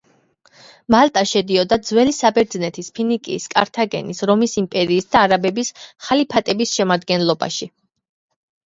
მალტა შედიოდა: ძველი საბერძნეთის, ფინიკიის, კართაგენის, რომის იმპერიის და არაბების ხალიფატის შემადგენლობაში.